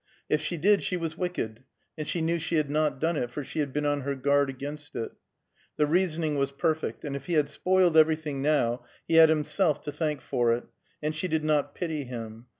If she did, she was wicked, and she knew she had not done it for she had been on her guard against it. The reasoning was perfect, and if he had spoiled everything now, he had himself to thank for it; and she did not pity him.